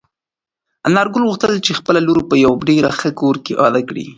انارګل غوښتل چې خپله لور په یوه ډېر ښه کور کې واده کړي.